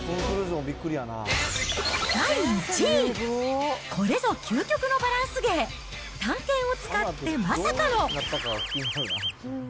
第１位、これぞ究極のバランス芸、短剣を使ってまさかの×××。